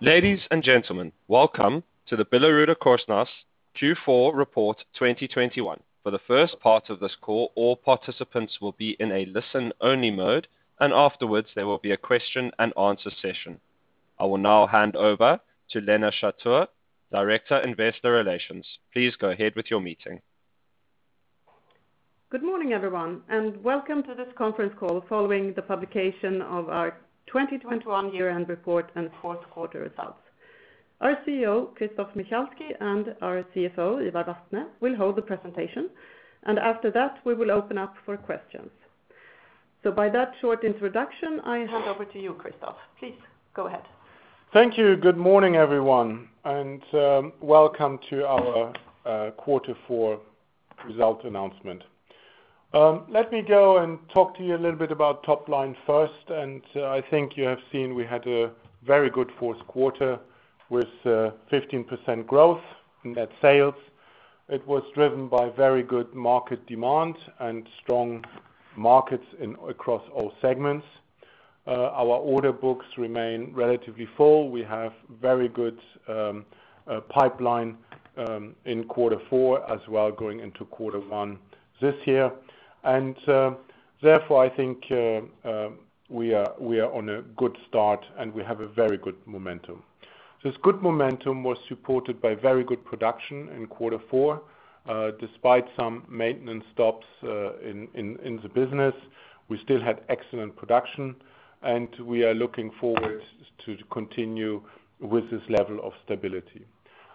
Ladies and gentlemen, welcome to the BillerudKorsnäs Q4 Report 2021. For the first part of this call, all participants will be in a listen-only mode, and afterwards, there will be a question-and-answer session. I will now hand over to Lena Schattauer, Director, Investor Relations. Please go ahead with your meeting. Good morning, everyone, and welcome to this conference call following the publication of our 2021 year-end report and fourth quarter results. Our CEO, Christoph Michalski, and our CFO, Ivar Vatne, will hold the presentation, and after that, we will open up for questions. By that short introduction, I hand over to you, Christoph. Please go ahead. Thank you. Good morning, everyone, and welcome to our quarter four results announcement. Let me go and talk to you a little bit about top line first, and I think you have seen we had a very good fourth quarter with 15% growth in net sales. It was driven by very good market demand and strong markets across all segments. Our order books remain relatively full. We have very good pipeline in quarter four as well going into quarter one this year. Therefore, I think we are on a good start, and we have a very good momentum. This good momentum was supported by very good production in quarter four. Despite some maintenance stops in the business, we still had excellent production, and we are looking forward to continue with this level of stability.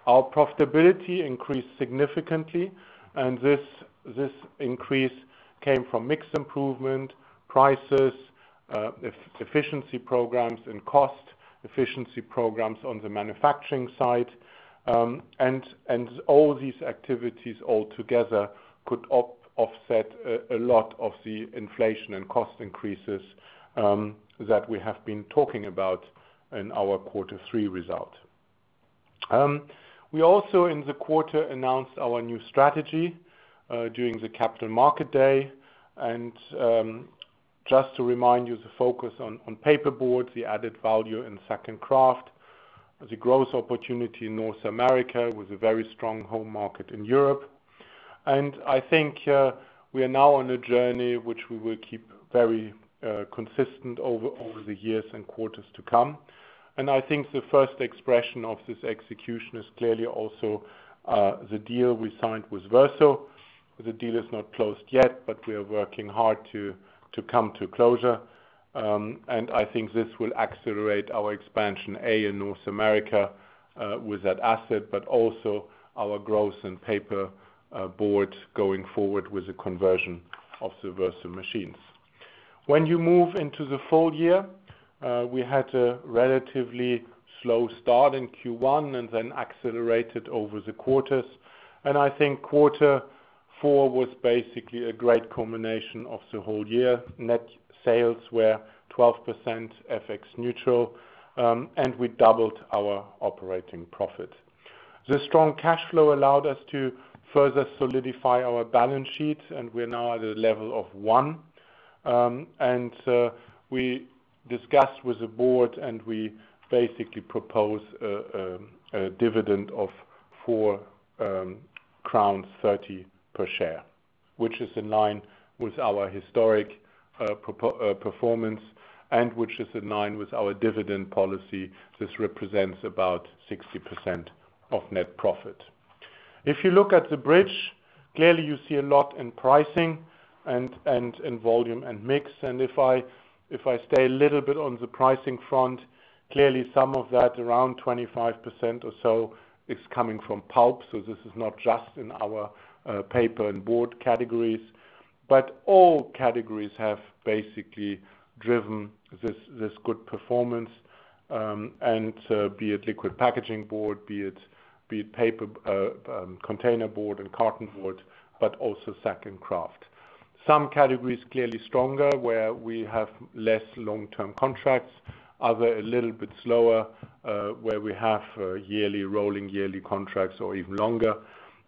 Our profitability increased significantly, and this increase came from mix improvement, prices, efficiency programs and cost efficiency programs on the manufacturing side. All these activities all together could offset a lot of the inflation and cost increases that we have been talking about in our quarter three result. We also in the quarter announced our new strategy during the Capital Market Day, and just to remind you, the focus on paper board, the added value in sack and kraft, the growth opportunity in North America with a very strong home market in Europe. I think we are now on a journey which we will keep very consistent over the years and quarters to come. I think the first expression of this execution is clearly also the deal we signed with Verso. The deal is not closed yet, but we are working hard to come to closure. I think this will accelerate our expansion in North America with that asset, but also our growth in paper board going forward with the conversion of the Verso machines. When you move into the full year, we had a relatively slow start in Q1 and then accelerated over the quarters. I think quarter four was basically a great combination of the whole year. Net sales were 12% FX neutral, and we doubled our operating profit. The strong cash flow allowed us to further solidify our balance sheet, and we're now at a level of one. We discussed with the board and we basically propose a dividend of 4.30 crowns/share, which is in line with our historic performance and which is in line with our dividend policy. This represents about 60% of net profit. If you look at the bridge, clearly you see a lot in pricing and in volume and mix. If I stay a little bit on the pricing front, clearly some of that, around 25% or so, is coming from pulp. This is not just in our paper and board categories, but all categories have basically driven this good performance, and be it liquid packaging board, be it paper, containerboard and cartonboard, but also sack and kraft. Some categories clearly stronger, where we have less long-term contracts, other a little bit slower, where we have yearly, rolling yearly contracts or even longer.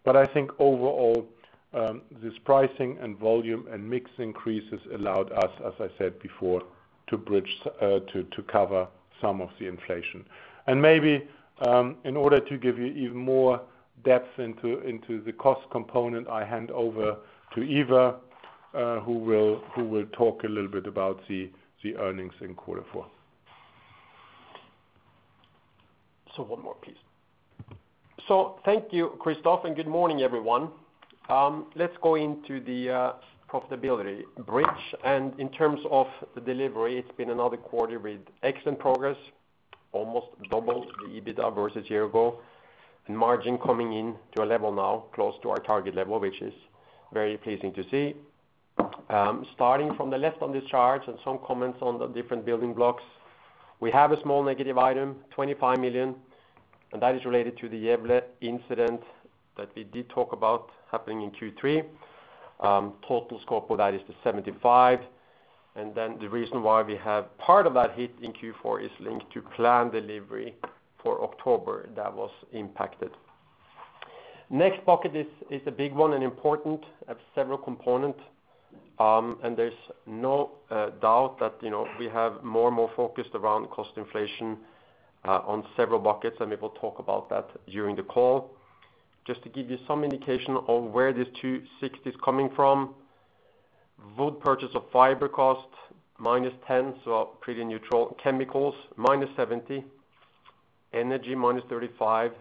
I think overall, this pricing and volume and mix increases allowed us, as I said before, to bridge to cover some of the inflation. Maybe, in order to give you even more depth into the cost component, I hand over to Ivar, who will talk a little bit about the earnings in quarter four. One more, please. Thank you, Christoph, and good morning, everyone. Let's go into the profitability bridge. In terms of the delivery, it's been another quarter with excellent progress, almost double the EBITDA versus year ago, and margin coming in to a level now close to our target level, which is very pleasing to see. Starting from the left on this chart and some comments on the different building blocks. We have a small negative item, 25 million, and that is related to the Gävle incident that we did talk about happening in Q3. Total scope of that is the 75 million, and then the reason why we have part of that hit in Q4 is linked to planned delivery for October that was impacted. Next bucket is a big one and important, have several component. There's no doubt that, you know, we have more and more focused around cost inflation on several buckets, and we will talk about that during the call. Just to give you some indication on where this 260 million is coming from, wood purchase of fiber cost -10 million, so pretty neutral. Chemicals -70 million, energy -35 million,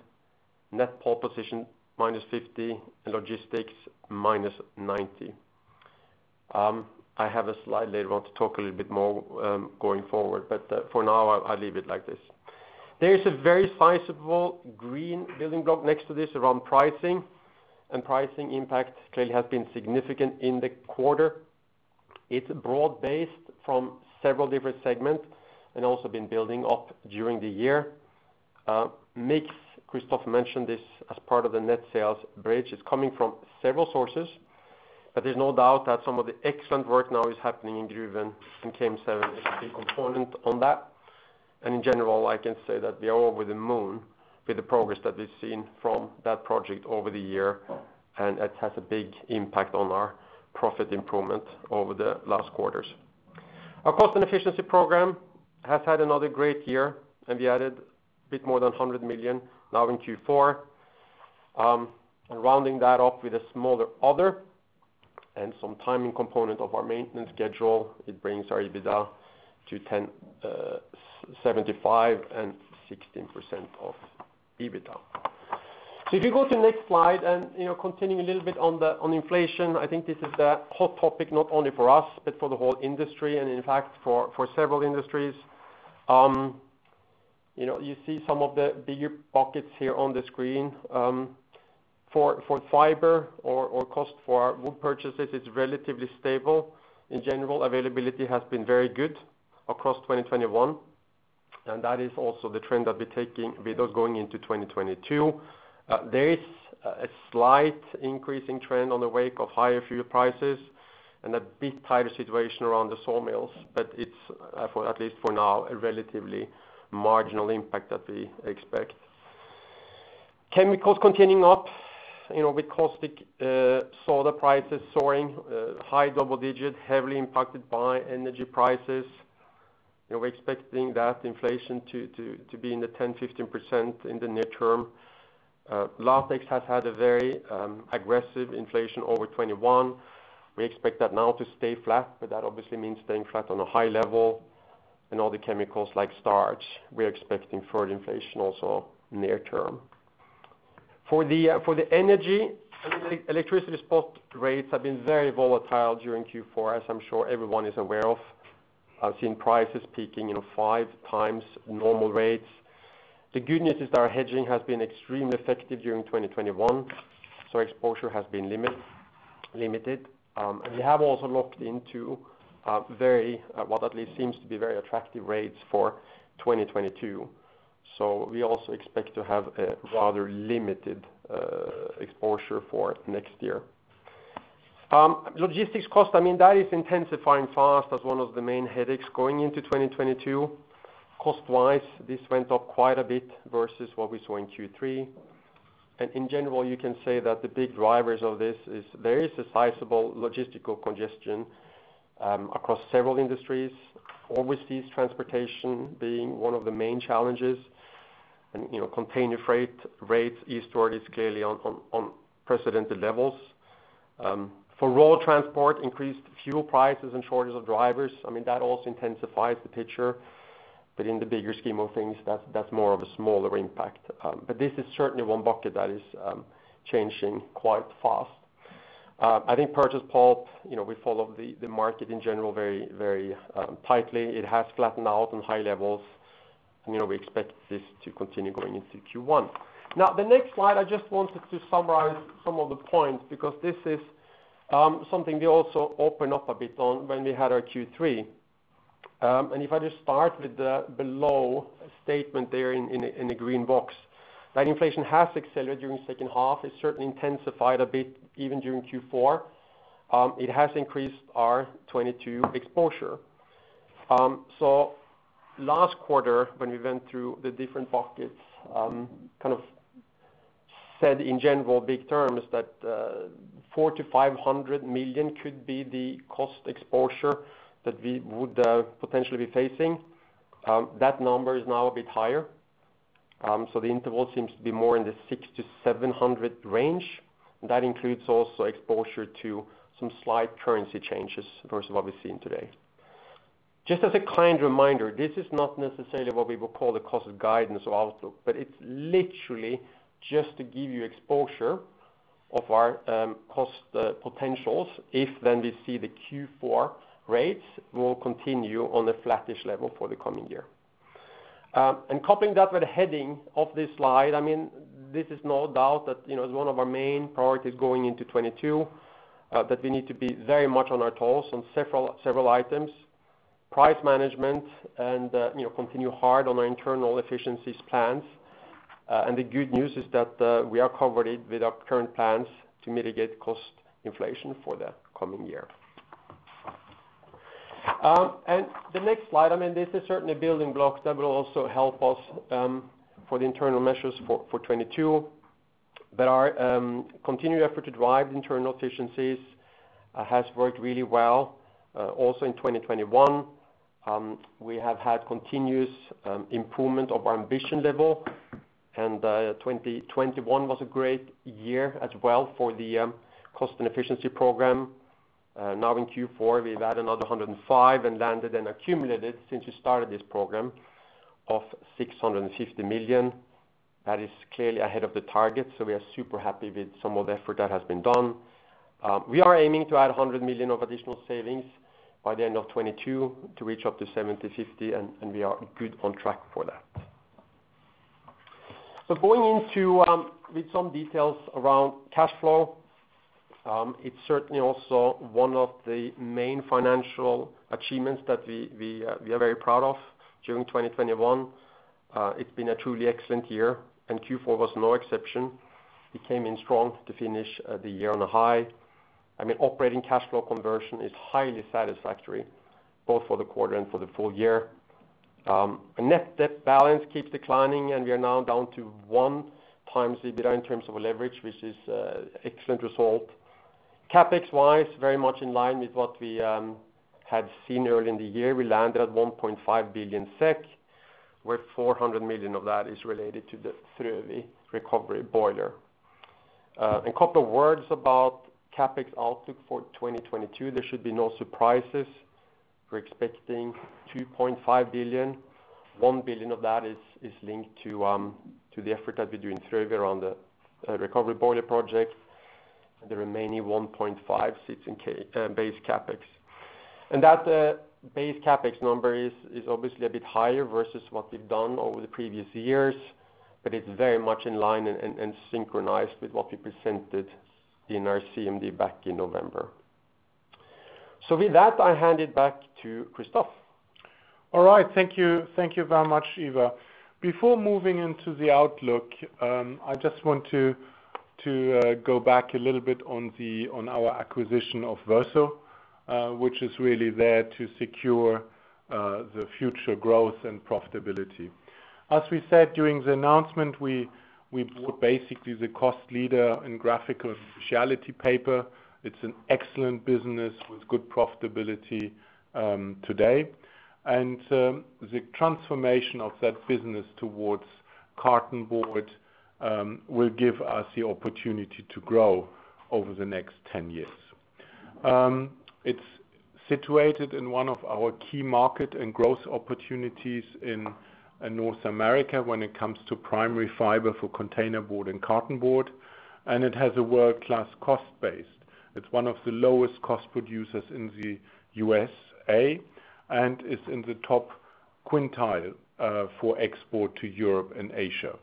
net pulp position -50 million, logistics -90 million. I have a slide later on to talk a little bit more going forward, but for now I leave it like this. There is a very sizable green building block next to this around pricing, and pricing impact clearly has been significant in the quarter. It's broad-based from several different segments and also been building up during the year. Mix, Christoph mentioned this as part of the net sales bridge, is coming from several sources. There's no doubt that some of the excellent work now is happening in Gruvön. In KM7 is a big component of that. In general, I can say that we are over the moon with the progress that we've seen from that project over the year, and it has a big impact on our profit improvement over the last quarters. Our cost and efficiency program has had another great year, and we added a bit more than 100 million now in Q4. Rounding that off with a smaller other and some timing component of our maintenance schedule, it brings our EBITDA to 1,075 million and 16% EBITDA margin. If you go to the next slide and, you know, continuing a little bit on inflation, I think this is the hot topic, not only for us, but for the whole industry and in fact, for several industries. You know, you see some of the bigger buckets here on the screen. For fiber or cost for our wood purchases, it's relatively stable. In general, availability has been very good across 2021, and that is also the trend that we're taking with us going into 2022. There is a slight increasing trend in the wake of higher fuel prices and a bit tighter situation around the sawmills, but it's at least for now a relatively marginal impact that we expect. Chemicals continuing up, you know, with caustic soda prices soaring high double digit, heavily impacted by energy prices. You know, we're expecting that inflation to be in the 10%-15% in the near term. Latex has had a very aggressive inflation over 2021. We expect that now to stay flat, but that obviously means staying flat on a high level. All the chemicals like starch, we're expecting further inflation also near term. For the energy, electricity spot rates have been very volatile during Q4, as I'm sure everyone is aware of. I've seen prices peaking, you know, 5x normal rates. The good news is our hedging has been extremely effective during 2021, so exposure has been limited. We have also locked into a very, what at least seems to be very attractive rates for 2022. We also expect to have a rather limited exposure for next year. Logistics cost, I mean, that is intensifying fast as one of the main headaches going into 2022. Cost-wise, this went up quite a bit versus what we saw in Q3. In general, you can say that the big drivers of this is there is a sizable logistical congestion across several industries, always these transportation being one of the main challenges. You know, container freight rates eastward is clearly on unprecedented levels. For road transport, increased fuel prices and shortage of drivers, I mean, that also intensifies the picture. In the bigger scheme of things, that's more of a smaller impact. This is certainly one bucket that is changing quite fast. I think purchased pulp, you know, we follow the market in general very tightly. It has flattened out on high levels. You know, we expect this to continue going into Q1. Now, the next slide, I just wanted to summarize some of the points because this is something we also opened up a bit on when we had our Q3. If I just start with the below statement there in the green box, that inflation has accelerated during the second half. It certainly intensified a bit even during Q4. It has increased our 2022 exposure. Last quarter when we went through the different buckets, kind of said in general big terms that 400 million-500 million could be the cost exposure that we would potentially be facing. That number is now a bit higher. The interval seems to be more in the 600 million-700 million range. That includes also exposure to some slight currency changes versus what we're seeing today. Just as a kind reminder, this is not necessarily what we would call the cost of guidance or outlook, but it's literally just to give you exposure of our cost potentials if then we see the Q4 rates will continue on a flattish level for the coming year. Coupling that with the heading of this slide, I mean, there's no doubt that, you know, it's one of our main priorities going into 2022, that we need to be very much on our toes on several items, price management and, you know, continue hard on our internal efficiencies plans. The good news is that we are covered with our current plans to mitigate cost inflation for the coming year. The next slide, I mean, this is certainly building blocks that will also help us for the internal measures for 2022. But our continued effort to drive internal efficiencies has worked really well also in 2021. We have had continuous improvement of our ambition level, and 2021 was a great year as well for the cost and efficiency program. Now in Q4, we've had another 105 million and landed and accumulated since we started this program of 650 million. That is clearly ahead of the target, so we are super happy with some of the effort that has been done. We are aiming to add 100 million of additional savings by the end of 2022 to reach up to 750 million, and we are good on track for that. Going into, with some details around cash flow, it's certainly also one of the main financial achievements that we are very proud of during 2021. It's been a truly excellent year, and Q4 was no exception. We came in strong to finish, the year on a high. I mean, operating cash flow conversion is highly satisfactory both for the quarter and for the full year. Net debt balance keeps declining, and we are now down to one times EBITDA in terms of leverage, which is excellent result. CapEx-wise, very much in line with what we had seen early in the year. We landed at 1.5 billion SEK, where 400 million of that is related to the Frövi recovery boiler. A couple words about CapEx outlook for 2022. There should be no surprises. We're expecting 2.5 billion. 1 billion of that is linked to the effort that we do in Frövi around the recovery boiler project. The remaining 1.5 billion sits in base CapEx. That base CapEx number is obviously a bit higher versus what we've done over the previous years, but it's very much in line and synchronized with what we presented in our CMD back in November. With that, I hand it back to Christoph. All right. Thank you. Thank you very much, Ivar. Before moving into the outlook, I just want to go back a little bit on our acquisition of Verso, which is really there to secure the future growth and profitability. As we said during the announcement, we bought basically the cost leader in graphic specialty paper. It's an excellent business with good profitability today. The transformation of that business towards cartonboard will give us the opportunity to grow over the next 10 years. It's situated in one of our key market and growth opportunities in North America when it comes to primary fiber for containerboard and cartonboard, and it has a world-class cost base. It's one of the lowest cost producers in the U.S.A. and is in the top quintile for export to Europe and Asia.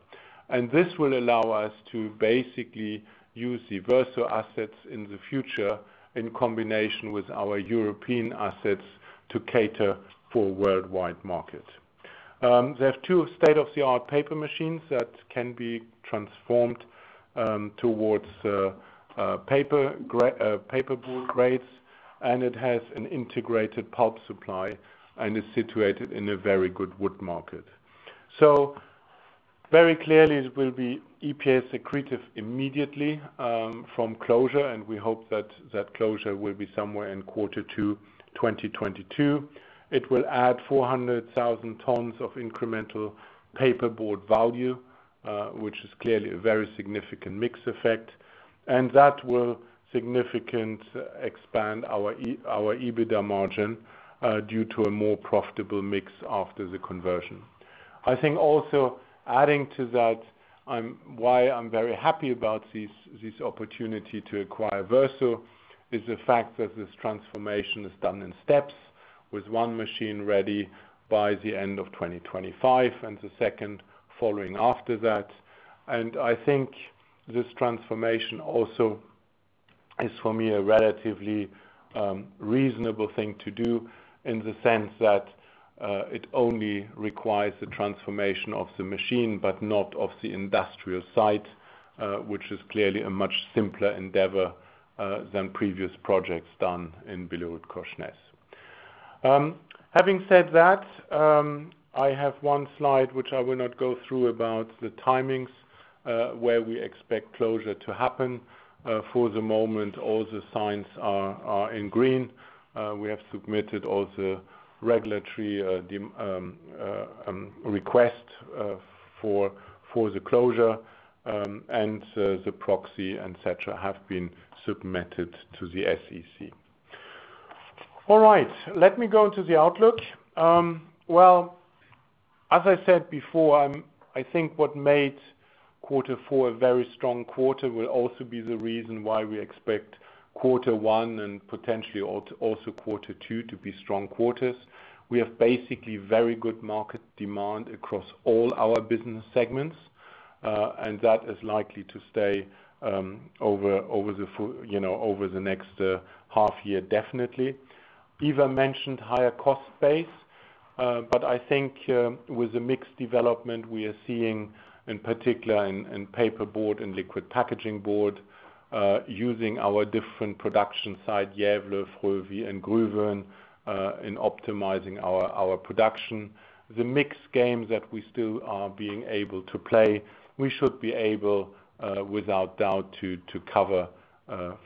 This will allow us to basically use the Verso assets in the future in combination with our European assets to cater for worldwide market. They have two state-of-the-art paper machines that can be transformed towards paperboard grades, and it has an integrated pulp supply and is situated in a very good wood market. Very clearly, it will be EPS accretive immediately from closure, and we hope that closure will be somewhere in quarter two 2022. It will add 400,000 tons of incremental paperboard value, which is clearly a very significant mix effect, and that will significantly expand our EBITDA margin due to a more profitable mix after the conversion. I think also adding to that, why I'm very happy about this opportunity to acquire Verso, is the fact that this transformation is done in steps with one machine ready by the end of 2025 and the second following after that. I think this transformation also is for me a relatively reasonable thing to do in the sense that it only requires the transformation of the machine, but not of the industrial site, which is clearly a much simpler endeavor than previous projects done in BillerudKorsnäs. Having said that, I have one slide which I will not go through about the timings, where we expect closure to happen. For the moment, all the signs are in green. We have submitted all the regulatory request for the closure, and the proxy and et cetera have been submitted to the SEC. All right, let me go into the outlook. Well, as I said before, I think what made quarter four a very strong quarter will also be the reason why we expect quarter one and potentially also quarter two to be strong quarters. We have basically very good market demand across all our business segments, and that is likely to stay, you know, over the next half year, definitely. Ivar mentioned higher cost base. I think with the mixed development we are seeing, in particular in paperboard and liquid packaging board, using our different production site, Gävle, Frövi, and Gruvön, in optimizing our production. The mixed game that we still are being able to play, we should be able without doubt to cover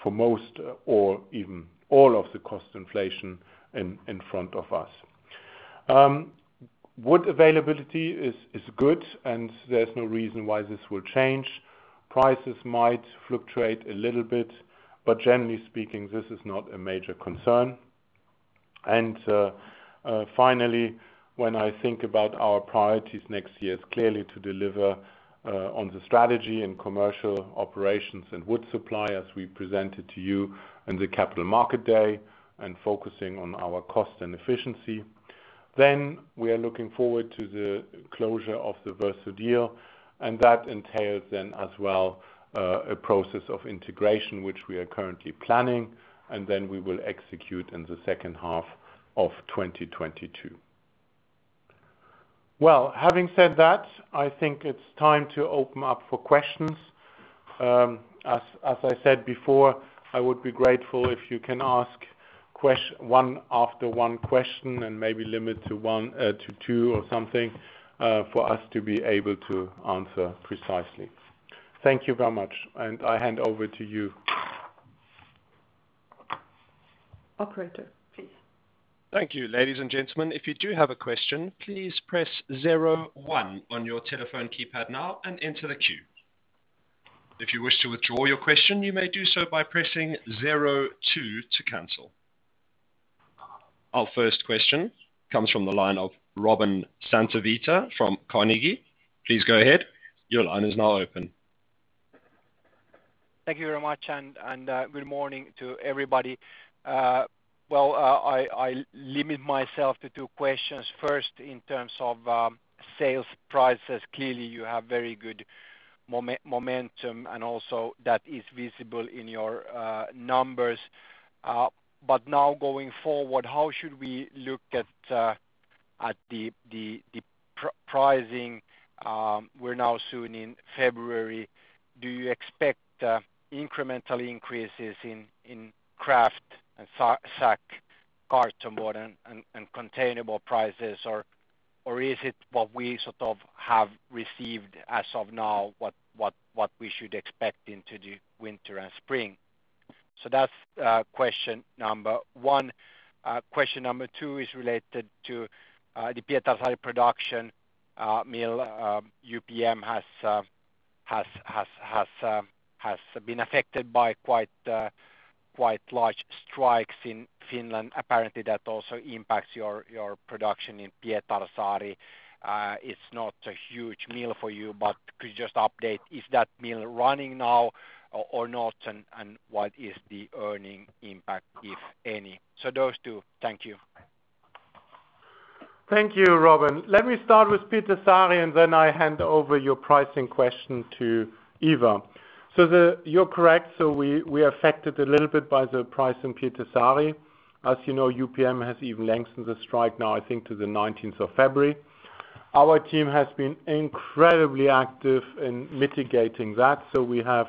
for most or even all of the cost inflation in front of us. Wood availability is good, and there's no reason why this will change. Prices might fluctuate a little bit, but generally speaking, this is not a major concern. Finally, when I think about our priorities next year is clearly to deliver on the strategy and commercial operations and wood supply as we presented to you in the Capital Market Day and focusing on our cost and efficiency. We are looking forward to the closure of the Verso deal, and that entails then as well, a process of integration which we are currently planning, and then we will execute in the second half of 2022. Well, having said that, I think it's time to open up for questions. I would be grateful if you can ask one question after one and maybe limit to one, to two or something, for us to be able to answer precisely. Thank you very much, and I hand over to you. Operator, please. Thank you. Ladies and gentlemen, if you do have a question, please press zero one on your telephone keypad now and enter the queue. If you wish to withdraw your question, you may do so by pressing zero two to cancel. Our first question comes from the line of Robin Santavirta from Carnegie. Please go ahead. Your line is now open. Thank you very much, good morning to everybody. I limit myself to two questions. First, in terms of sales prices. Clearly, you have very good momentum, and also that is visible in your numbers. Now going forward, how should we look at pricing? We're now soon in February. Do you expect incremental increases in kraft and sack, cartonboard and containerboard prices? Or is it what we sort of have received as of now, what we should expect into the winter and spring? That's question number one. Question number two is related to the Pietarsaari production mill. UPM has been affected by quite large strikes in Finland. Apparently, that also impacts your production in Pietarsaari. It's not a huge mill for you, but could you just update, is that mill running now or not, and what is the earnings impact, if any? Those two. Thank you. Thank you, Robin. Let me start with Pietarsaari, and then I hand over your pricing question to Ivar. You're correct. We are affected a little bit by the strike in Pietarsaari. As you know, UPM has even lengthened the strike now, I think, to the 19th of February. Our team has been incredibly active in mitigating that. We have,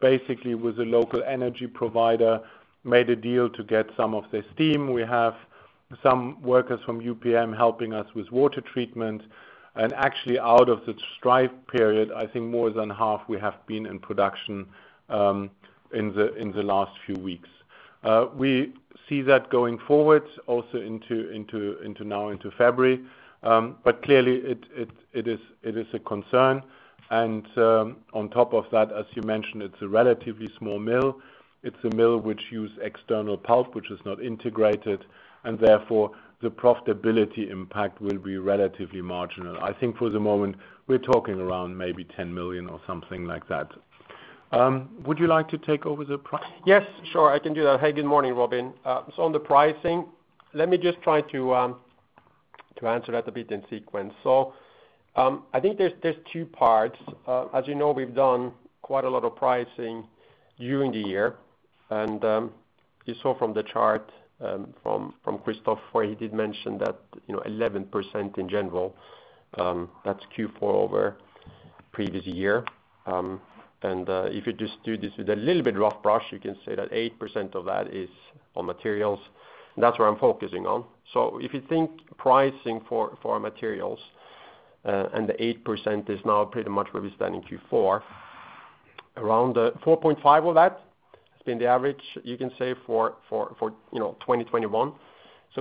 basically with a local energy provider, made a deal to get some of their steam. We have some workers from UPM helping us with water treatment. Actually, out of the strike period, I think more than half we have been in production, in the last few weeks. We see that going forward also into February. Clearly it is a concern. On top of that, as you mentioned, it's a relatively small mill. It's a mill which use external pulp, which is not integrated, and therefore the profitability impact will be relatively marginal. I think for the moment we're talking around maybe 10 million or something like that. Would you like to take over the pri- Yes, sure, I can do that. Hey, good morning, Robin. On the pricing, let me just try to answer that a bit in sequence. I think there's two parts. As you know, we've done quite a lot of pricing during the year. You saw from the chart from Christoph, where he did mention that, you know, 11% in general, that's Q4 over previous year. If you just do this with a little bit broad brush, you can say that 8% of that is on materials. That's where I'm focusing on. If you think pricing for materials and the 8% is now pretty much where we stand in Q4, around 4.5% of that has been the average, you can say, for 2021.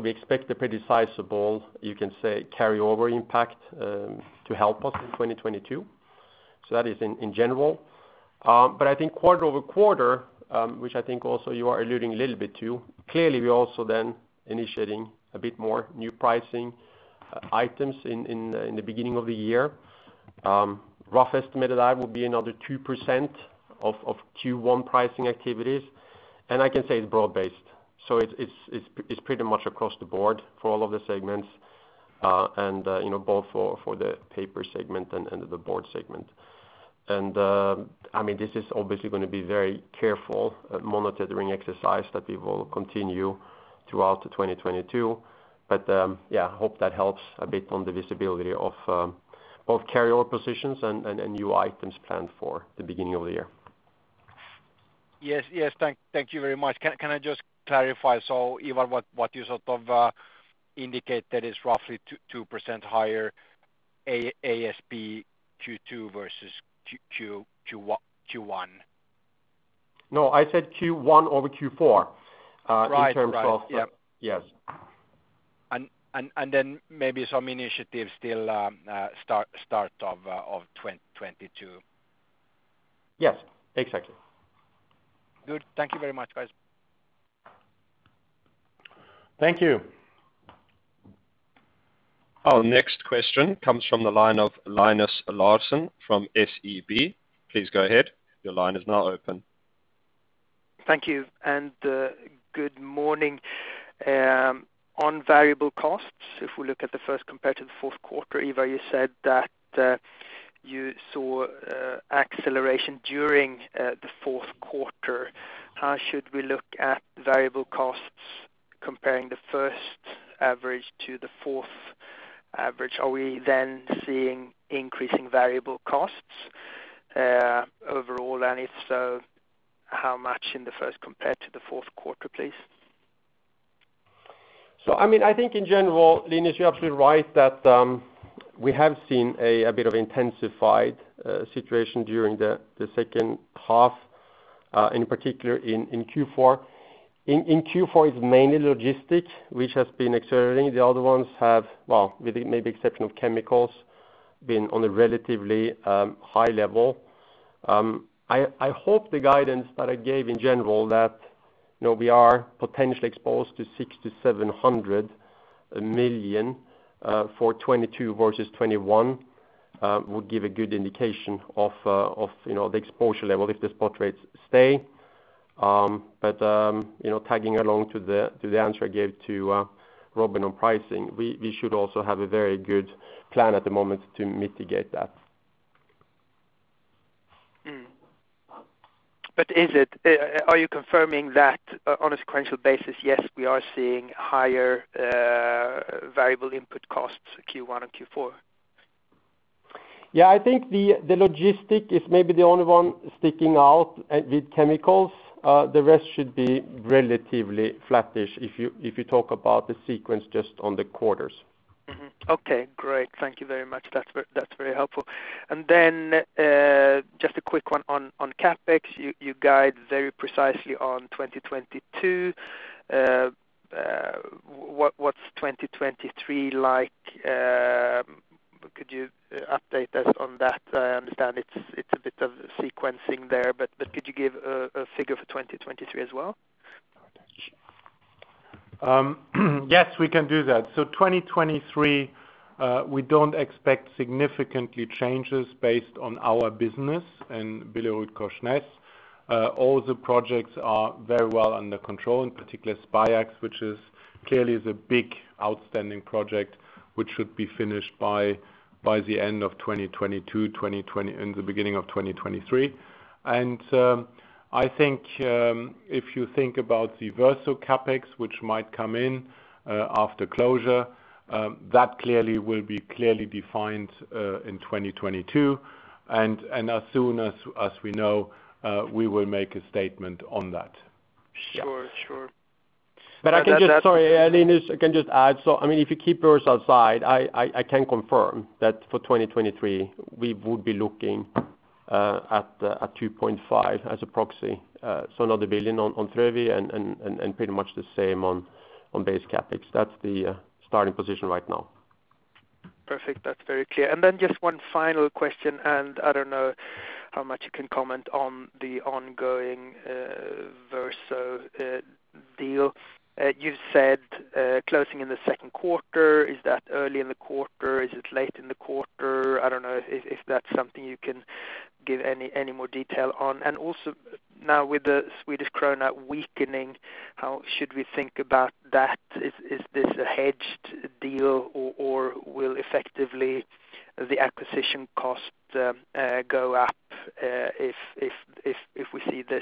We expect a pretty sizable, you can say, carryover impact to help us in 2022. That is in general. But I think quarter-over-quarter, which I think also you are alluding a little bit to, clearly we're also then initiating a bit more new pricing items in the beginning of the year. Rough estimate of that would be another 2% of Q1 pricing activities. I can say it's broad-based. It's pretty much across the board for all of the segments, you know, both for the paper segment and the board segment. I mean, this is obviously gonna be very careful monitoring exercise that we will continue throughout 2022. Yeah, hope that helps a bit on the visibility of both carryover positions and new items planned for the beginning of the year. Yes. Thank you very much. Can I just clarify, so Ivar, what you sort of indicate that is roughly 2% higher ASP Q2 versus Q1? No, I said Q1 over Q4, in terms of. Right. Yep. Yes. Maybe some initiatives still start of 2022. Yes, exactly. Good. Thank you very much, guys. Thank you. Our next question comes from the line of Linus Larsson from SEB. Please go ahead. Your line is now open. Thank you, and good morning. On variable costs, if we look at the first compared to the fourth quarter, Ivar, you said that you saw acceleration during the fourth quarter. How should we look at variable costs comparing the first average to the fourth average? Are we then seeing increasing variable costs overall? If so, how much in the first compared to the fourth quarter, please? I mean, I think in general, Linus, you're absolutely right that we have seen a bit of intensified situation during the second half in particular in Q4. In Q4, it's mainly logistics which has been accelerating. The other ones have, well, with the maybe exception of chemicals, been on a relatively high level. I hope the guidance that I gave in general that you know we are potentially exposed to 600 million-700 million for 2022 versus 2021 will give a good indication of you know the exposure level if the spot rates stay. But you know tagging along to the answer I gave to Robin on pricing, we should also have a very good plan at the moment to mitigate that. Are you confirming that on a sequential basis? Yes, we are seeing higher variable input costs Q1 and Q4. Yeah. I think the logistics is maybe the only one sticking out with chemicals. The rest should be relatively flattish if you talk about the sequence just on the quarters. Mm-hmm. Okay. Great. Thank you very much. That's very helpful. Just a quick one on CapEx. You guide very precisely on 2022. What’s 2023 like? Could you update us on that? I understand it’s a bit of sequencing there, but could you give a figure for 2023 as well? Yes, we can do that. 2023, we don't expect significant changes based on our business and BillerudKorsnäs. All the projects are very well under control, in particular SPAjax, which is clearly the big outstanding project which should be finished by the end of 2022, in the beginning of 2023. I think, if you think about the Verso CapEx, which might come in after closure, that will be clearly defined in 2022. As soon as we know, we will make a statement on that. Yeah. Sure. Sure. Sorry, Linus, I can just add. I mean, if you keep Verso aside, I can confirm that for 2023, we would be looking at 2.5 billion as a proxy. Another 1 billion on Frövi and pretty much the same on base CapEx. That's the starting position right now. Perfect. That's very clear. Just one final question, and I don't know how much you can comment on the ongoing Verso deal. You've said closing in the second quarter. Is that early in the quarter? Is it late in the quarter? I don't know if that's something you can give any more detail on. Also now with the Swedish krona weakening, how should we think about that? Is this a hedged deal or will effectively the acquisition cost go up if we see this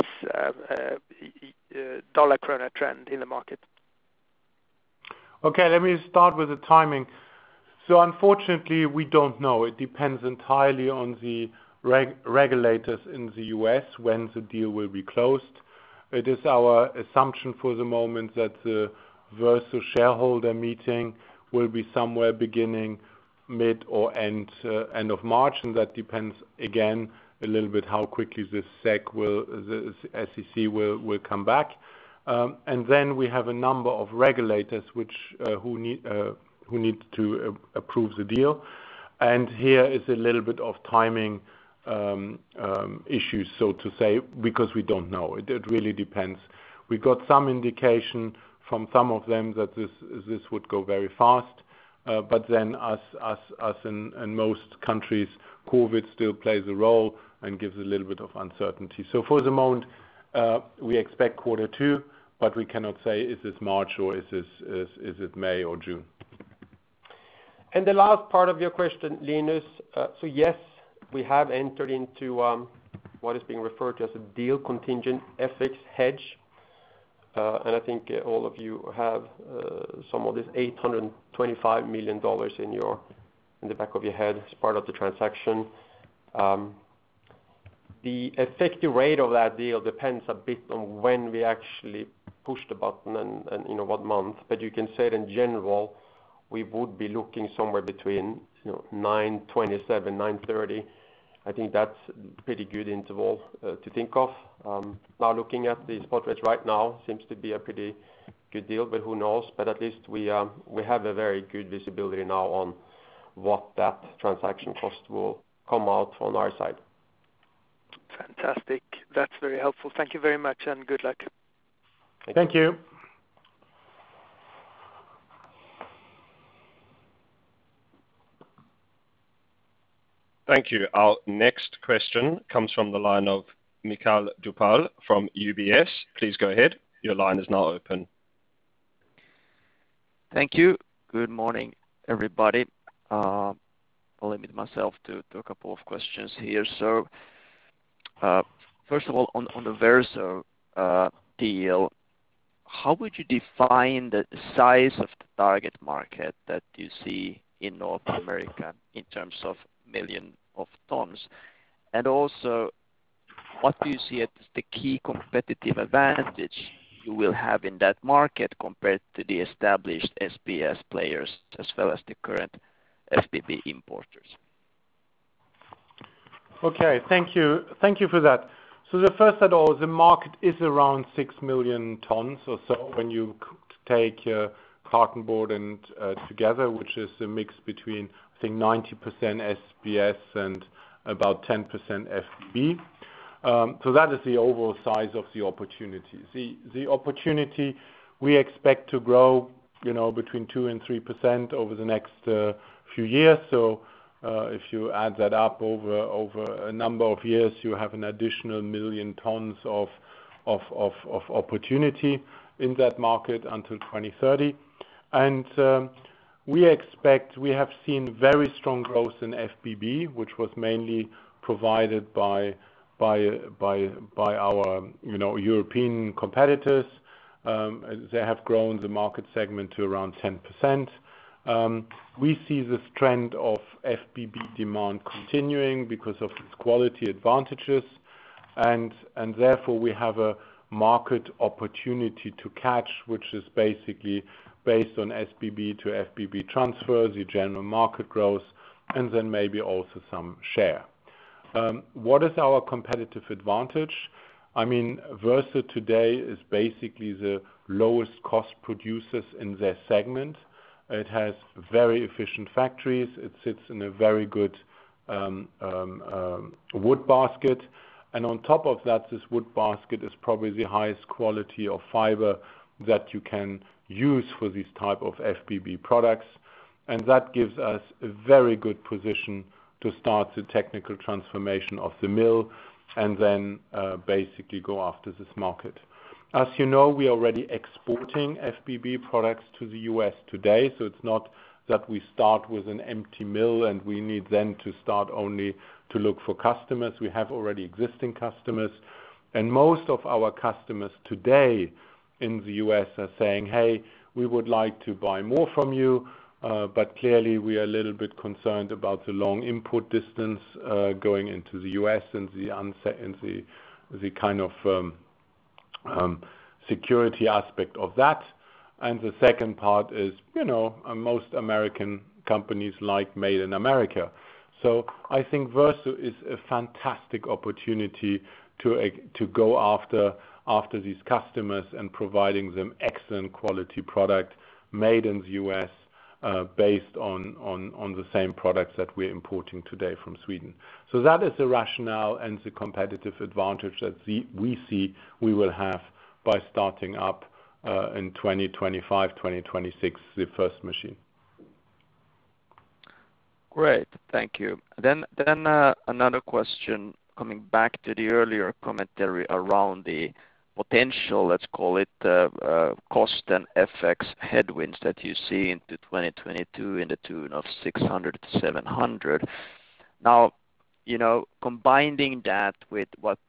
dollar-krona trend in the market? Okay, let me start with the timing. Unfortunately, we don't know. It depends entirely on the regulators in the U.S. when the deal will be closed. It is our assumption for the moment that the Verso shareholder meeting will be somewhere beginning mid or end of March, and that depends, again, a little bit how quickly the SEC will come back. And then we have a number of regulators who need to approve the deal. Here is a little bit of timing issues, so to say, because we don't know. It really depends. We got some indication from some of them that this would go very fast. But then as in most countries, COVID still plays a role and gives a little bit of uncertainty. For the moment, we expect quarter two, but we cannot say is this March or is it May or June. The last part of your question, Linus, yes, we have entered into what is being referred to as a deal contingent FX hedge. I think all of you have some of this $825 million in the back of your head as part of the transaction. The effective rate of that deal depends a bit on when we actually push the button and in what month. You can say it in general, we would be looking somewhere between, you know, 9.27-9.30. I think that's pretty good interval to think of. Now looking at the spot rates right now seems to be a pretty good deal, but who knows? At least we have a very good visibility now on what that transaction cost will come out on our side. Fantastic. That's very helpful. Thank you very much, and good luck. Thank you. Thank you. Our next question comes from the line of Mikael Doepel from UBS. Please go ahead. Your line is now open. Thank you. Good morning, everybody. I'll limit myself to a couple of questions here. First of all, on the Verso deal, how would you define the size of the target market that you see in North America in terms of millions of tons? And also, what do you see as the key competitive advantage you will have in that market compared to the established SBS players as well as the current FBB importers? Okay. Thank you. Thank you for that. First of all, the market is around 6 million tons or so when you take cartonboard and together, which is a mix between, I think 90% SBS and about 10% FBB. That is the overall size of the opportunity. The opportunity we expect to grow, you know, between 2%-3% over the next few years. If you add that up over a number of years, you have an additional 1 million tons of opportunity in that market until 2030. We expect we have seen very strong growth in FBB, which was mainly provided by our, you know, European competitors. They have grown the market segment to around 10%. We see this trend of FBB demand continuing because of its quality advantages. Therefore, we have a market opportunity to catch, which is basically based on SBB to FBB transfers, the general market growth, and then maybe also some share. What is our competitive advantage? I mean, Verso today is basically the lowest cost producers in their segment. It has very efficient factories. It sits in a very good wood basket. On top of that, this wood basket is probably the highest quality of fiber that you can use for these type of FBB products. That gives us a very good position to start the technical transformation of the mill and then basically go after this market. As you know, we are already exporting FBB products to the U.S. today, so it's not that we start with an empty mill, and we need then to start only to look for customers. We have already existing customers, and most of our customers today in the U.S. are saying, "Hey, we would like to buy more from you, but clearly we are a little bit concerned about the long inbound distance going into the U.S. and the uncertainty, the kind of security aspect of that." The second part is, you know, most American companies like Made in America. I think Verso is a fantastic opportunity to go after these customers and providing them excellent quality product made in the U.S., based on the same products that we're importing today from Sweden. That is the rationale and the competitive advantage that we see we will have by starting up in 2025, 2026, the first machine. Great. Thank you. Another question coming back to the earlier commentary around the potential, let's call it, cost and FX headwinds that you see into 2022 to the tune of 600 million-700 million. Now, you know, combining that with what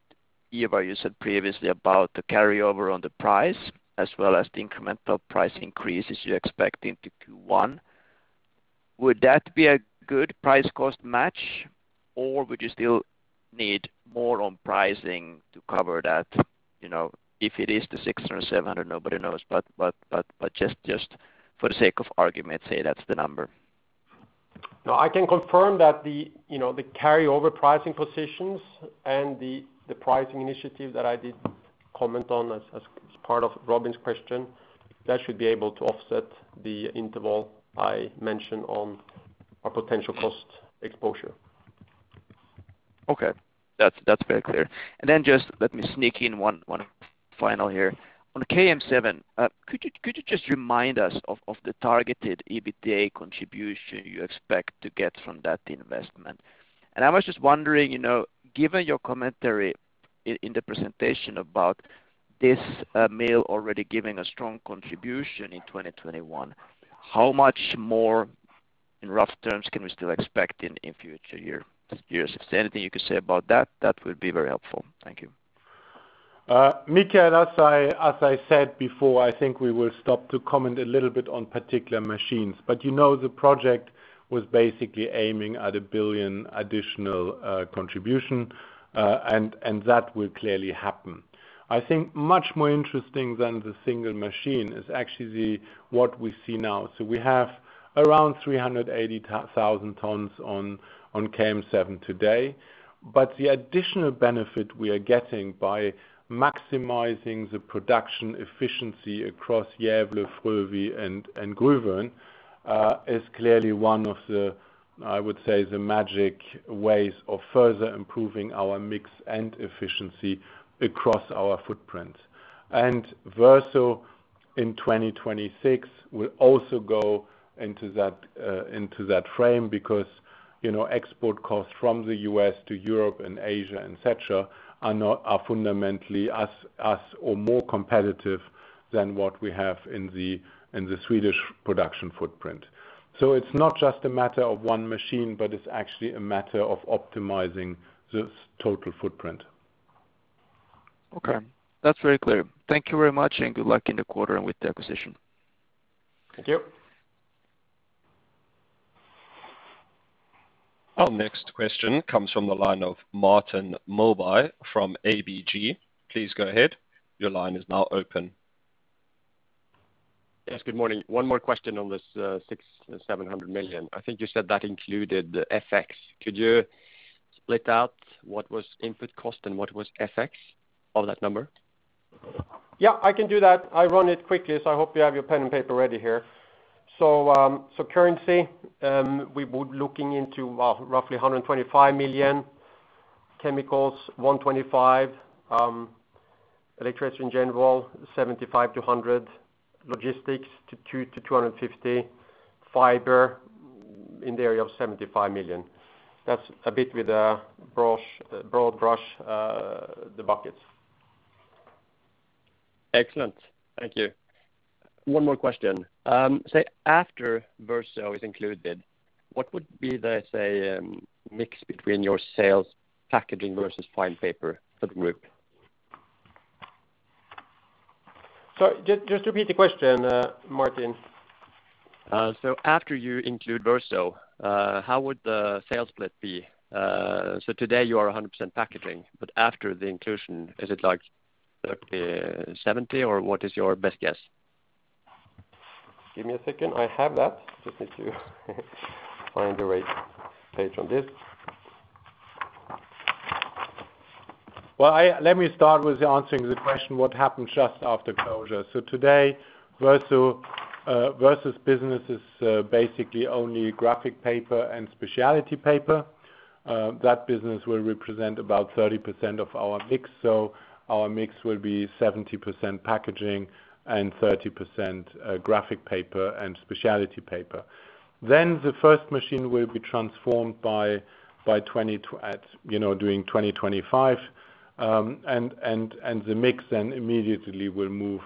Ivar, you said previously about the carryover on the price as well as the incremental price increases you expect into Q1, would that be a good price-cost match, or would you still need more on pricing to cover that? You know, if it is the 600 million or 700 million, nobody knows. But just for the sake of argument, say that's the number. No, I can confirm that you know the carryover pricing positions and the pricing initiative that I did comment on as part of Robin's question, that should be able to offset the interval I mentioned on our potential cost exposure. Okay. That's very clear. Just let me sneak in one final here. On KM7, could you just remind us of the targeted EBITDA contribution you expect to get from that investment? I was just wondering, you know, given your commentary in the presentation about this mill already giving a strong contribution in 2021. How much more, in rough terms, can we still expect in future years? Is there anything you could say about that? That would be very helpful. Thank you. Mikael, as I said before, I think we will stop to comment a little bit on particular machines. You know, the project was basically aiming at 1 billion additional contribution, and that will clearly happen. I think much more interesting than the single machine is actually what we see now. We have around 380,000 tons on KM7 today. The additional benefit we are getting by maximizing the production efficiency across Gävle, Frövi, and Gruvön is clearly one of the, I would say, the magic ways of further improving our mix and efficiency across our footprint. Verso in 2026 will also go into that frame because, you know, export costs from the U.S. to Europe and Asia and such are fundamentally as or more competitive than what we have in the Swedish production footprint. It's not just a matter of one machine, but it's actually a matter of optimizing the total footprint. Okay. That's very clear. Thank you very much, and good luck in the quarter and with the acquisition. Thank you. Our next question comes from the line of Martin Melbye from ABG. Please go ahead. Your line is now open. Yes, good morning. One more question on this 600 million- 700 million. I think you said that included the FX. Could you split out what was input cost and what was FX of that number? Yeah, I can do that. I run it quickly, so I hope you have your pen and paper ready here. Currency, we would be looking into roughly 125 million. Chemicals, 125 million. Electricity in general, 75 million-100 million. Logistics, 200 million-250 million. Fiber in the area of 75 million. That's a bit with a broad brush, the buckets. Excellent. Thank you. One more question. Say after Verso is included, what would be the, say, mix between your sales packaging versus fine paper for the group? Sorry, just repeat the question, Martin. After you include Verso, how would the sales split be? Today you are 100% packaging, but after the inclusion, is it like 37% or what is your best guess? Give me a second. I have that. Just need to find the right page on this. Well, let me start with answering the question, what happened just after closure. Today, Verso's business is basically only graphic paper and specialty paper. That business will represent about 30% of our mix, so our mix will be 70% packaging and 30%, graphic paper and specialty paper. The first machine will be transformed by, at, you know, during 2025. And the mix then immediately will move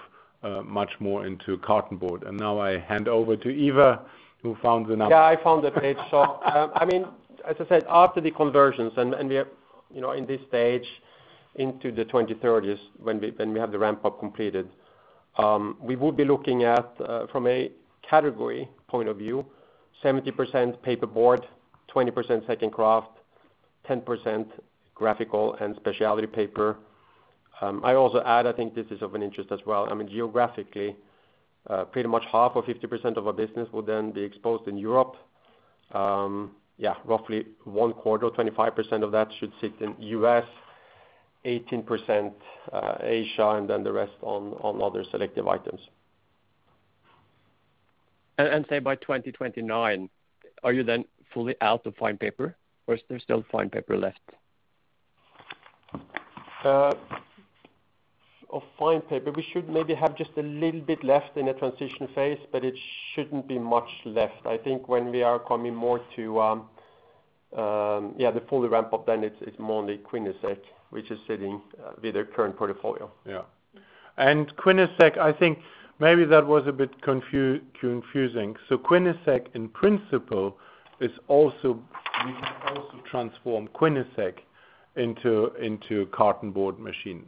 much more into cartonboard. Now I hand over to Ivar, who found the number. Yeah, I found the page. I mean, as I said, after the conversions and we have, you know, in this stage into the 2030s when we have the ramp-up completed, we would be looking at, from a category point of view, 70% paperboard, 20% sack and kraft, 10% graphic and specialty paper. I also add, I think this is of interest as well, I mean, geographically, pretty much half or 50% of our business will then be exposed in Europe. Yeah, roughly one quarter or 25% of that should sit in U.S., 18% Asia, and then the rest on other select items. Say by 2029, are you then fully out of fine paper or is there still fine paper left? Of fine paper, we should maybe have just a little bit left in the transition phase, but it shouldn't be much left. I think when we are coming more to the full ramp-up, then it's more the Quinnesec, which is sitting with their current portfolio. Yeah. Quinnesec, I think maybe that was a bit confusing. Quinnesec, in principle, we can also transform Quinnesec into cartonboard machine.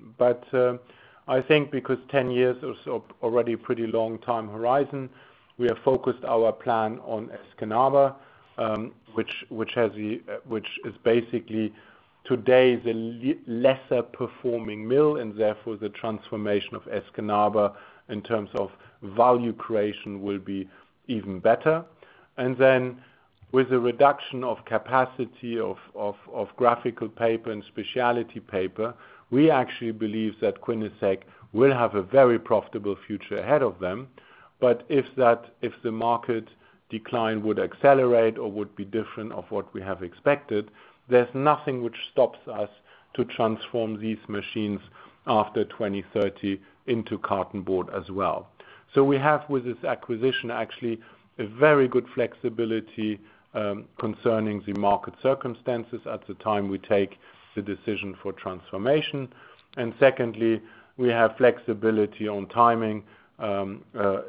I think because 10 years is already pretty long time horizon, we have focused our plan on Escanaba, which is basically today the lesser performing mill, and therefore the transformation of Escanaba in terms of value creation will be even better. With the reduction of capacity of graphic paper and specialty paper, we actually believe that Quinnesec will have a very profitable future ahead of them. If the market decline would accelerate or would be different from what we have expected, there's nothing which stops us to transform these machines after 2030 into cartonboard as well. We have, with this acquisition, actually a very good flexibility concerning the market circumstances at the time we take the decision for transformation. Secondly, we have flexibility on timing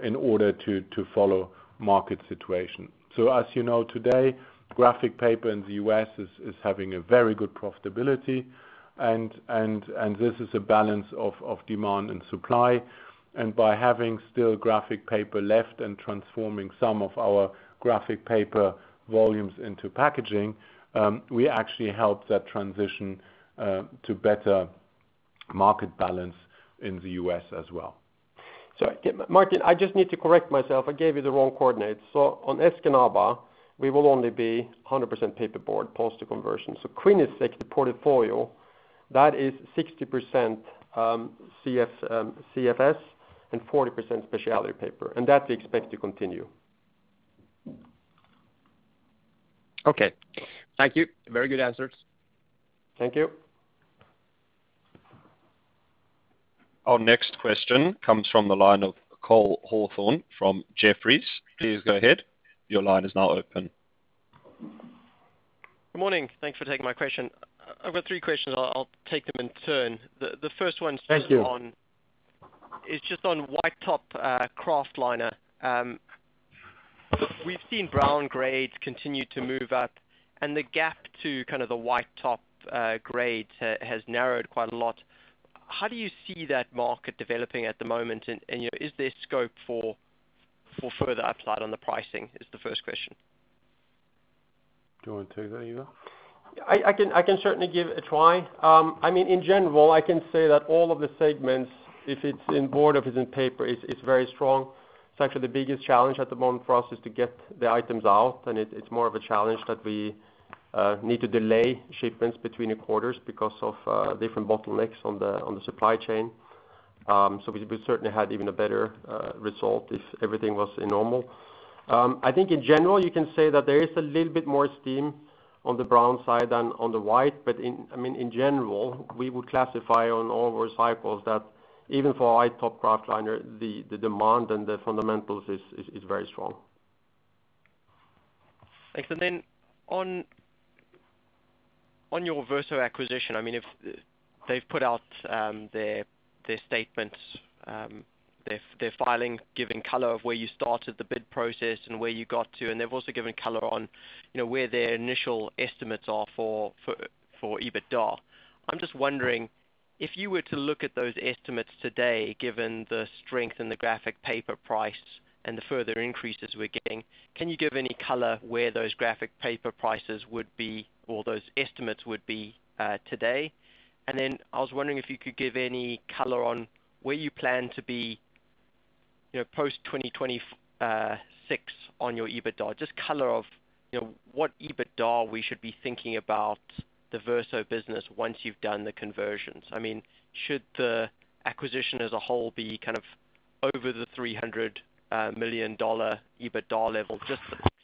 in order to follow market situation. As you know, today, graphic paper in the U.S. is having a very good profitability and this is a balance of demand and supply. By having still graphic paper left and transforming some of our graphic paper volumes into packaging, we actually help that transition to better market balance in the U.S. as well. Yeah, Martin, I just need to correct myself. I gave you the wrong coordinates. On Escanaba, we will only be 100% paperboard post conversion. Quinnesec, the portfolio, that is 60% CFS and 40% specialty paper, and that we expect to continue. Okay. Thank you. Very good answers. Thank you. Our next question comes from the line of Cole Hathorn from Jefferies. Please go ahead. Your line is now open. Good morning. Thanks for taking my question. I've got three questions. I'll take them in turn. The first one- Thank you. -is just on white top kraftliner. We've seen brown grades continue to move up and the gap to kind of the white top grade has narrowed quite a lot. How do you see that market developing at the moment? You know, is there scope for further upside on the pricing? Is the first question. Do you wanna take that, Ivar? I can certainly give it a try. I mean, in general, I can say that all of the segments, if it's in board, if it's in paper, it's very strong. It's actually the biggest challenge at the moment for us is to get the items out, and it's more of a challenge that we need to delay shipments between the quarters because of different bottlenecks on the supply chain. So we certainly had even a better result if everything was in normal. I think in general, you can say that there is a little bit more steam on the brown side than on the white. But I mean, in general, we would classify on all cycles that even for white top kraftliner, the demand and the fundamentals is very strong. Thanks. Then on your Verso acquisition, I mean, if they've put out their statements, their filing giving color of where you started the bid process and where you got to, and they've also given color on, you know, where their initial estimates are for EBITDA. I'm just wondering, if you were to look at those estimates today, given the strength in the graphic paper price and the further increases we're getting, can you give any color where those graphic paper prices would be or those estimates would be, today? Then I was wondering if you could give any color on where you plan to be, you know, post 2026 on your EBITDA. Just color of, you know, what EBITDA we should be thinking about the Verso business once you've done the conversions. I mean, should the acquisition as a whole be kind of over the $300 million EBITDA level? Just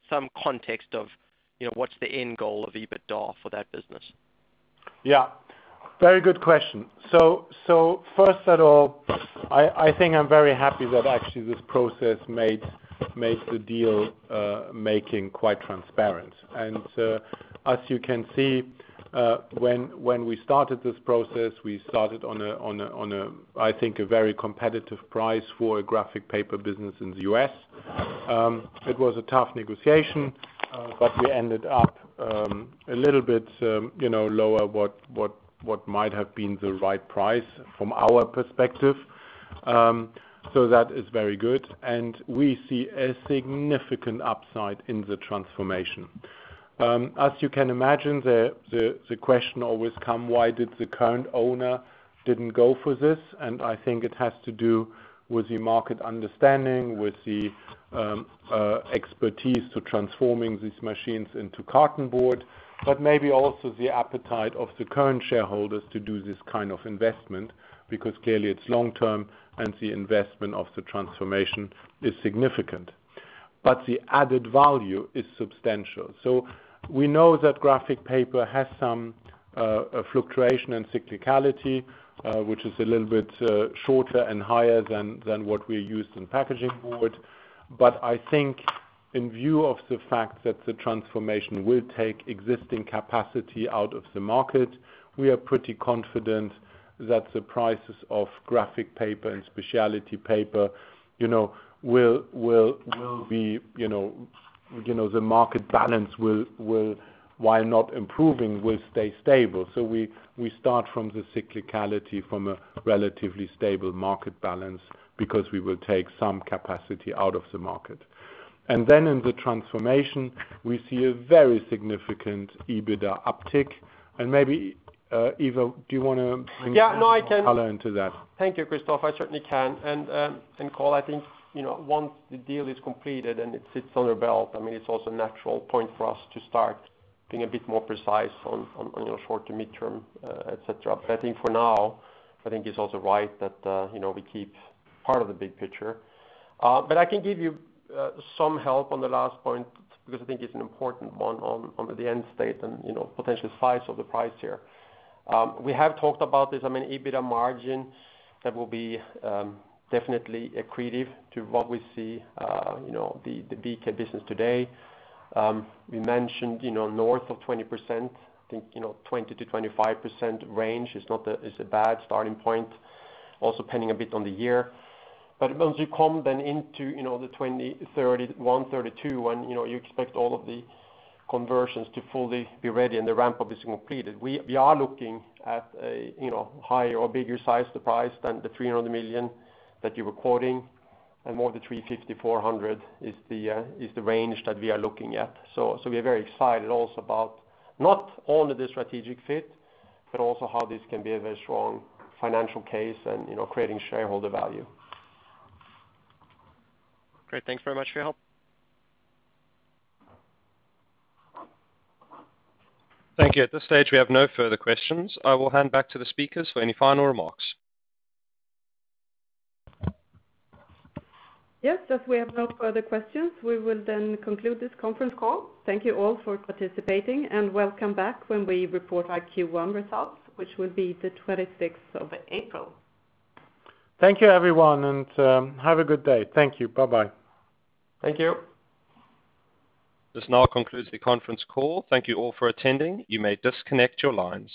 some context of, you know, what's the end goal of EBITDA for that business. Yeah, very good question. First of all, I think I'm very happy that actually this process made the deal making quite transparent. As you can see, when we started this process, we started on a, I think, a very competitive price for a graphic paper business in the U.S. It was a tough negotiation, but we ended up a little bit, you know, lower what might have been the right price from our perspective. So that is very good, and we see a significant upside in the transformation. As you can imagine, the question always comes, "Why did the current owner didn't go for this?" I think it has to do with the market understanding, with the expertise to transforming these machines into cartonboard, but maybe also the appetite of the current shareholders to do this kind of investment, because clearly it's long-term and the investment of the transformation is significant. The added value is substantial. We know that graphic paper has some fluctuation and cyclicality, which is a little bit shorter and higher than what we're used in packaging board. I think in view of the fact that the transformation will take existing capacity out of the market, we are pretty confident that the prices of graphic paper and specialty paper, you know, will be, you know, you know, the market balance will, while not improving, will stay stable. We start from the cyclicality from a relatively stable market balance because we will take some capacity out of the market. Then in the transformation, we see a very significant EBITDA uptick. Maybe, Ivar, do you wanna- Yeah. No, I can. -color into that. Thank you, Christoph. I certainly can. Cole, I think, you know, once the deal is completed and it sits on our belt, I mean, it's also a natural point for us to start being a bit more precise on, you know, short to mid-term, et cetera. I think for now, I think it's also right that, you know, we keep part of the big picture. I can give you some help on the last point because I think it's an important one on the end state and, you know, potential size of the price here. We have talked about this, I mean, EBITDA margin that will be definitely accretive to what we see, you know, the BK business today. We mentioned, you know, north of 20%, I think, you know, 20%-25% range is not a bad starting point. Also depending a bit on the year. Once you come then into, you know, the 2031, 2032, when, you know, you expect all of the conversions to fully be ready and the ramp-up is completed, we are looking at a, you know, higher or bigger size, the price than the 300 million that you were quoting, and more the SEK 350 million-SEK 400 million is the range that we are looking at. We are very excited also about not only the strategic fit, but also how this can be a very strong financial case and, you know, creating shareholder value. Great. Thanks very much for your help. Thank you. At this stage, we have no further questions. I will hand back to the speakers for any final remarks. Yes, as we have no further questions, we will then conclude this conference call. Thank you all for participating, and welcome back when we report our Q1 results, which will be the 26th of April. Thank you, everyone, and, have a good day. Thank you. Bye-bye. Thank you. This now concludes the conference call. Thank you all for attending. You may disconnect your lines.